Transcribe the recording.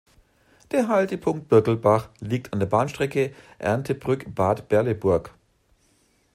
Der Haltepunkt "Birkelbach" liegt an der Bahnstrecke Erndtebrück–Bad Berleburg.